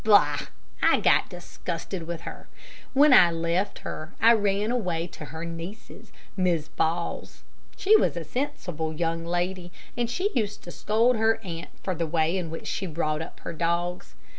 Bah! I got disgusted with her. When I left her, I ran away to her niece's, Miss Ball's. She was a sensible young lady, and she used to scold her aunt for the way in which she brought up her dogs.